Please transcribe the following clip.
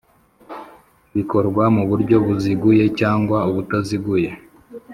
Bikorwa mu buryo buziguye cyangwa ubutaziguye